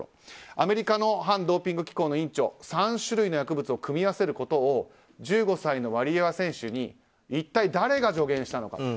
アメリカの反ドーピング機構の委員長３種類の薬物を組み合わせることを１５歳のワリエワ選手に一体誰が助言したのか。